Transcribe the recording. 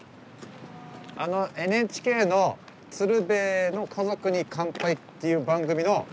あのＮＨＫの「鶴瓶の家族に乾杯」っていう番組の。